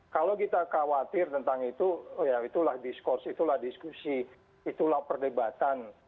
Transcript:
kalau kita khawatir tentang itu ya itulah diskurs itulah diskusi itulah perdebatan